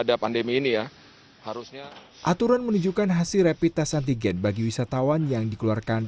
ada pandemi ini ya harusnya aturan menunjukkan hasil rapid test antigen bagi wisatawan yang dikeluarkan